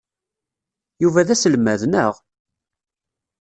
Yuba d aselmad, naɣ?